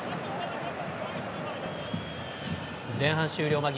前半終了間際。